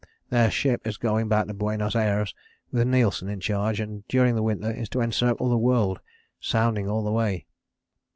Their ship is going back to Buenos Ayres with Nilsen in charge and during the winter is to encircle the world, sounding all the way.